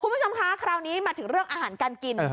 คุณผู้ชมคะคราวนี้มาถึงเรื่องอาหารการกิน